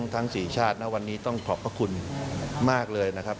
ทั้ง๔ชาตินะวันนี้ต้องขอบพระคุณมากเลยนะครับ